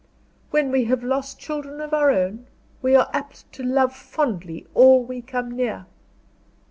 "When we have lost children of our own, we are apt to love fondly all we come near."